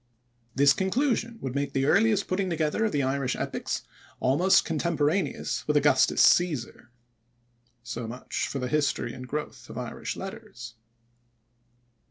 This conclusion would make the earliest putting together of the Irish epics almost contemporaneous with Augustus Cæsar. So much for the history and growth of Irish letters.